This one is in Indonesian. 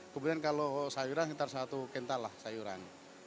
kemudian kalau sayuran sekitar satu kental lah sayuran